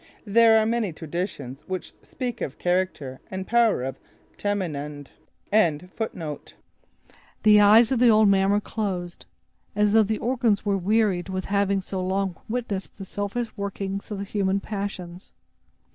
There are many traditions which speak of the character and power of Tamenund. The eyes of the old man were closed, as though the organs were wearied with having so long witnessed the selfish workings of the human passions.